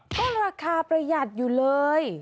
ก็ราคาประหยัดอยู่เลย